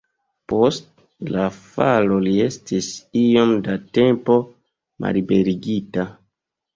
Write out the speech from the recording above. Post la falo li estis iom da tempo malliberigita.